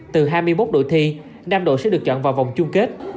từ hai mươi một đội thi năm đội sẽ được chọn vào vòng chung kết